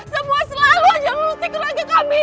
semua selalu nyeluruh di keluarga kami